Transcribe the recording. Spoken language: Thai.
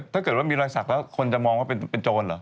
ถ้าเกิดว่ามีรอยสักแล้วคนจะมองว่าเป็นโจรเหรอ